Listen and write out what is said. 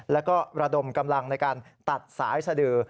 แล้วก็ระดมกำลังในการตัดสายสดือ